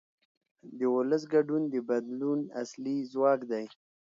د ولس ګډون د بدلون اصلي ځواک دی